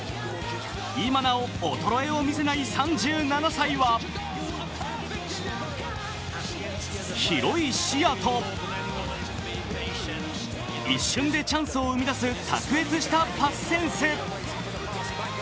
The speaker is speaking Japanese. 今なお、衰えを見せない３７歳は広い視野と、一瞬でチャンスを生み出す卓越したパスセンス。